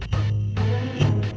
saya akan cerita soal ini